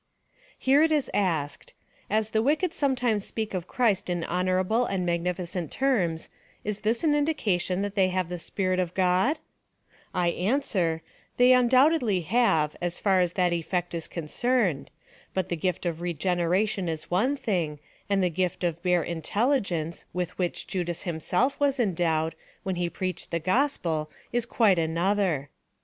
Here it is asked —" As the wicked sometimes speak of Christ in honourable and magnificent terms, is this an indi cation that they have the Spirit of God V I answer — "They undoubtedly have, so far as that effect is concerned ; but the gift of regeneration is one thing, and the gift of bare in telligence, with which Judas himself was endowed, when he preached the gospel, is quite another.''